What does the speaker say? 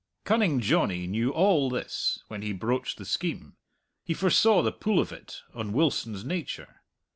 Cunning Johnny knew all this when he broached the scheme he foresaw the pull of it on Wilson's nature.